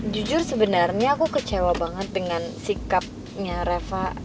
jujur sebenarnya aku kecewa banget dengan sikapnya reva